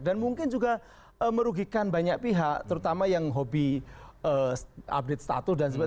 dan mungkin juga merugikan banyak pihak terutama yang hobi update status dan sebagainya